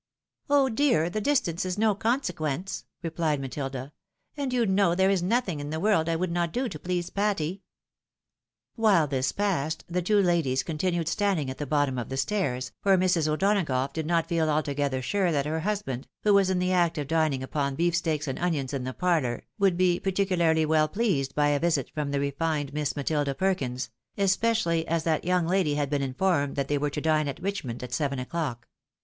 " Oh, dear ! the distance is no consequence," replied Ma tUda ;" and you know there is nothing in the world I would not do to please Patty !" WhUe this passed, the two ladies continued standing at the bottom of the stairs, for Mrs. O'Donagough did not feel altogether sure that her husband, who was in the act of dining upon beefeteaks and onions in the parlour, would be particularly 236 THE WIDOW MABKIED. well pleased by a visit from the refined Miss Matilda Perkins ^ especially as that young lady had been informed that they were to dine at Richmond at seven o'clock.